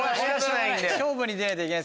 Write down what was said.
勝負に出ないといけない。